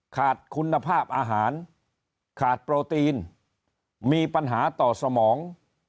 ขาดคุณภาพอาหารขาดโปรตีนมีปัญหาต่อสมอง